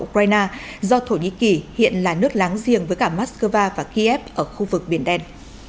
ukraine do thổ nhĩ kỳ hiện là nước láng giềng với cả moscow và kiev ở khu vực biển đen